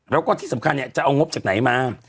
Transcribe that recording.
แล้วก็ที่สำคัญเนี่ยจะเอางบจากไหนมา